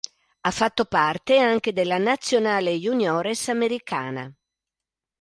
Ha fatto parte anche della nazionale juniores americana.